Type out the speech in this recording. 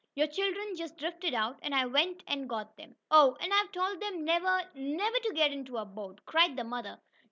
"Your children just drifted out, and I went and got them." "Oh, and I've told them never, never to get into a boat!" cried the mother.